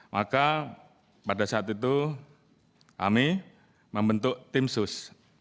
maka pada saat itu kami membentuk timsus